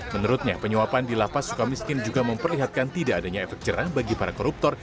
menurutnya penyuapan di lapas suka miskin juga memperlihatkan tidak adanya efek jerah bagi para koruptor